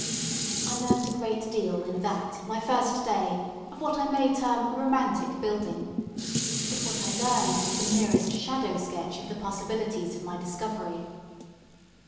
I learned a great deal in that my first day of what I may term romantic building, but what I learned was the merest shadow sketch of the possibilities of my discovery.